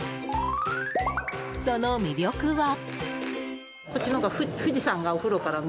その魅力は。